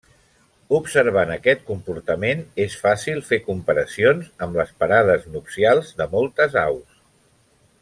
Observant aquest comportament és fàcil fer comparacions amb les parades nupcials de moltes aus.